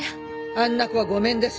あんな子はごめんです。